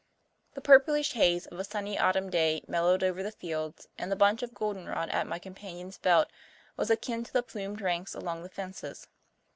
The purplish haze of a sunny autumn day mellowed over the fields, and the bunch of golden rod at my companion's belt was akin to the plumed ranks along the fences.